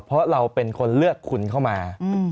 เพราะเราเป็นคนเลือกคุณเข้ามา